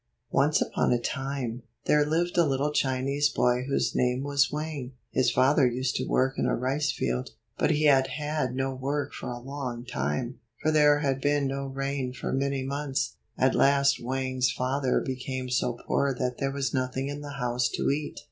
Once upon a time, there lived a little Chinese boy whose name was Wang. His father used to work in a rice field. But he had had no work for a long time, for there had been no rain for many months. At last Wang's father became so poor that there was nothing in the house to eat.